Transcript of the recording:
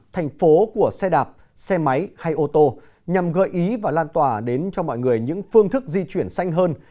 thành phố của xe đạp xe máy hay ô tô nhằm gợi ý và lan tỏa đến cho mọi người những phương thức di chuyển xanh hơn